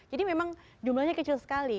jadi memang jumlahnya kecil sekali